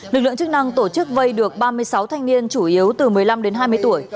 lực lượng chức năng tổ chức vây được ba mươi sáu thanh niên chủ yếu từ một mươi năm đến hai mươi tuổi